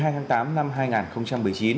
một mươi hai tháng tám năm hai nghìn một mươi chín